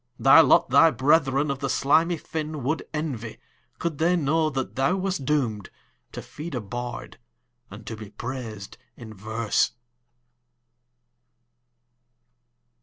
Thy lot thy brethern of the slimy fin Would envy, could they know that thou wast doom'd To feed a bard, and to be prais'd in verse.